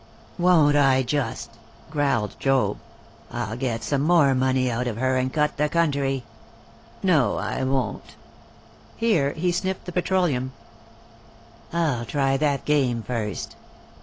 "Won't I just!" growled Job. "I'll get some more money out of her and cut the country. No, I won't." Here he sniffed the petroleum. "I'll try that game first.